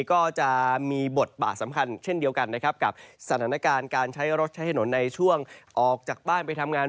ก็จะมีบทบาทสำคัญเช่นเดียวกันนะครับกับสถานการณ์การใช้รถใช้ถนนในช่วงออกจากบ้านไปทำงาน